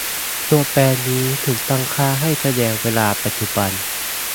ตัวแปรนี้ถูกตั้งค่าให้แสดงเวลาปัจจุบัน